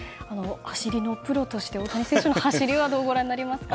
走りのプロとして大谷選手の走りはどうご覧になりましたか？